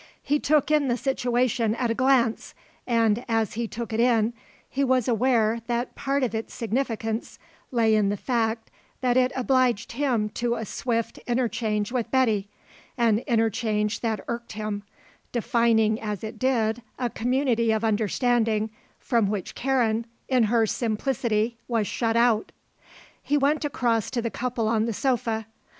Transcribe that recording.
He took in the situation at a glance, and, as he took it in, he was aware that part of its significance lay in the fact that it obliged him to a swift interchange with Betty, an interchange that irked him, defining as it did a community of understanding from which Karen, in her simplicity, was shut out. He went across to the couple on the sofa.